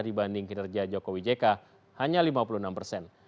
dibanding kinerja jokowi jk hanya lima puluh enam persen